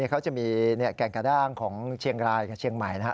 เขาจะมีแก่งกระด้างของเชียงรายกับเชียงใหม่นะครับ